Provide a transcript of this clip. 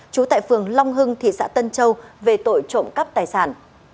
trú tại phường long hưng thị xã tân châu về tội trộm cắp tài sản